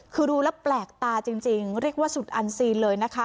คือดูแล้วแปลกตาจริงจริงเรียกว่าสุดเลยนะคะ